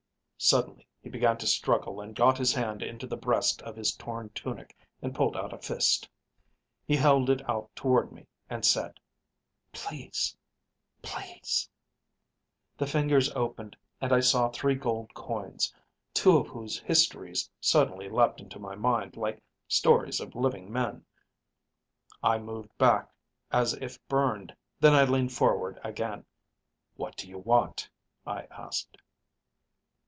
"Suddenly he began to struggle and got his hand into the breast of his torn tunic and pulled out a fist. He held it out toward me and said, 'Please ... please ...' "The fingers opened and I saw three gold coins, two of whose histories suddenly leapt into my mind like stories of living men. "I moved back as if burned; then I leaned forward again. 'What do you want?' I asked.